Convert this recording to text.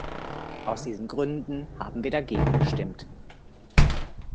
Aus diesen Gründen haben wir dagegen gestimmt.